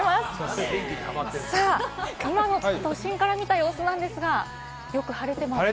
今の都心から見た様子ですが、よく晴れてますね。